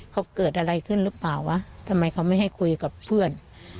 เขาเกิดอะไรขึ้นหรือเปล่าวะทำไมเขาไม่ให้คุยกับเพื่อน